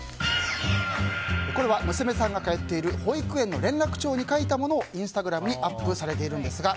これは娘さんが通っている保育園の連絡帳に書いたものをインスタグラムにアップされているんですが